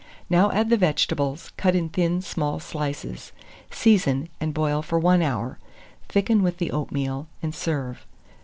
Now add the vegetables, cut in thin small slices; season, and boil for 1 hour. Thicken with the oatmeal, and serve.